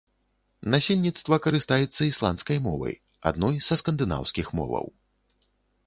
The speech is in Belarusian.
Насельніцтва карыстаецца ісландскай мовай, адной са скандынаўскіх моваў.